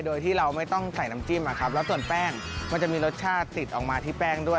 โดยที่เราไม่ต้องใส่น้ำจิ้มอะครับแล้วส่วนแป้งมันจะมีรสชาติติดออกมาที่แป้งด้วย